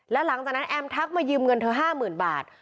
แล้วหลังจากนั้นแอมทักมายืมเงินเธอ๕๐๐๐บาท